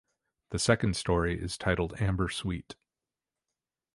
The second story is titled Amber Sweet.